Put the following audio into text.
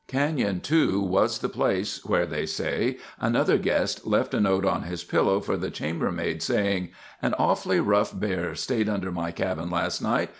Canyon, too, was the place where, they say, another guest left a note on his pillow for the chambermaid, saying, "An awfully rough bear stayed under my cabin last night.